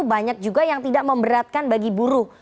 banyak juga yang tidak memberatkan bagi buruh